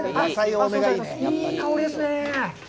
いい香りですねえ。